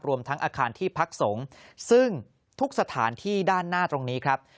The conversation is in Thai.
รวมทั้งอาคารที่พักสงฆ์ซึ่งทุกสถานที่ด้านหน้าตรงนี้ครับ